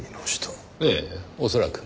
ええ恐らく。